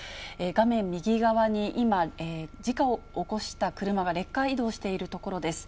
画面右側に今、事故を起こした車がレッカー移動しているところです。